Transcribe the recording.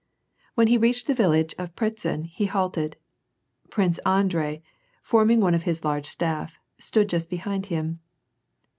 When he reached the village of Pratzen, he halted. Prince Andrei, forming one of his large staff, stood just behind him.